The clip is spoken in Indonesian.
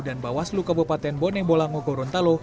dan bawaslu kabupaten bonebolango gorontalo